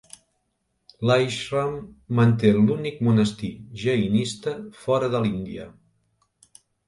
L'àixram manté l'únic monestir jainista fora de l'Índia.